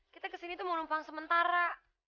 kita kesini tuh mau numpang sementara